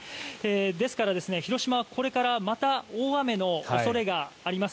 ですから、広島はこれからまた大雨の恐れがあります。